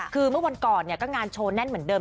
คือเมื่อวันก่อนก็งานโชว์แน่นเหมือนเดิม